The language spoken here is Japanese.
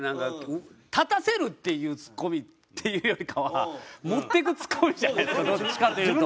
立たせるっていうツッコミっていうよりかは持っていくツッコミじゃないですかどっちかというと。